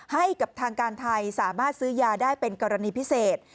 ให้กับทางการไทยสามารถซื้อยาได้เป็นกรณีพิเศษ